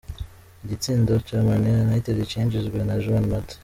Igitsindo ca Man United cinjijwe na Juan Mata.